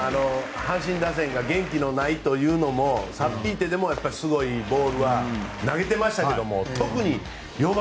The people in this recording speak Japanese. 阪神打線が元気のないというのを差っ引いてでも、すごいボールを投げていましたけども。